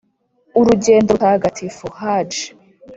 urugendo rutagatifu (ḥajj)